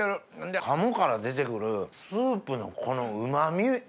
で鴨から出て来るスープのこのうま味！